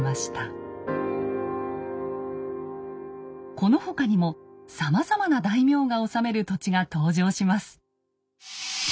この他にもさまざまな大名が治める土地が登場します。